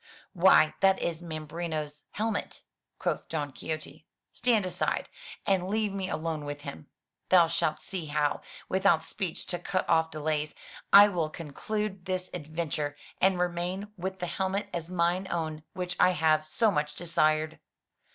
"Why, that is Mambrino's helmet," quoth Don Quixote. "Stand aside, and leave me alone with him. Thou shalt see how, without speech to cut off delays, I will conclude this adven ture, and remain with the helmet as mine own which I have so much desired."